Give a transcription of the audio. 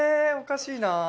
おかしいな。